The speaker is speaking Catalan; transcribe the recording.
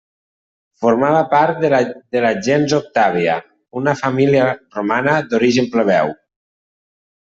Formava part de la gens Octàvia, una família romana d'origen plebeu.